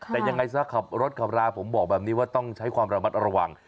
แต่ยังไงซะขับรถขับราผมบอกแบบนี้ว่าต้องใช้ความระมัดระวัง